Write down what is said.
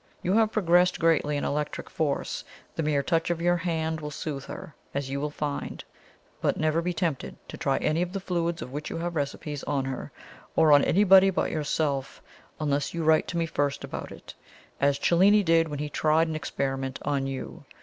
You have progressed greatly in electric force: the mere touch of your hand will soothe her, as you will find. But never be tempted to try any of the fluids of which you have the recipes on her, or on anybody but yourself, unless you write to me first about it, as Cellini did when he tried an experiment on you.